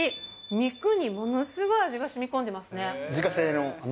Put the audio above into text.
肉にものすごい味がしみこんでますね。